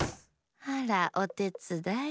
あらおてつだい？